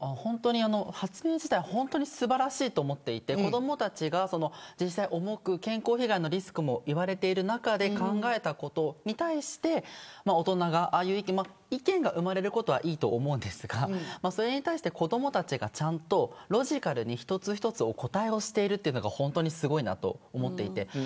発明自体本当に素晴らしいと思っていて子どもたちが実際重く健康被害のリスクも言われている中で考えたことに対して意見が生まれることはいいと思いますがそれに対して子どもたちがちゃんとロジカルに一つ一つ、お答えしているのが本当にすごいなと思います。